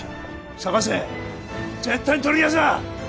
捜せ絶対に取り逃がすな！